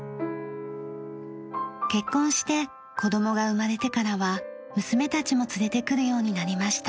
結婚して子供が生まれてからは娘たちも連れてくるようになりました。